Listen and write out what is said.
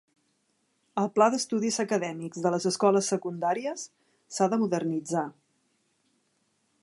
El pla d'estudis acadèmics de les escoles secundàries s'ha de modernitzar.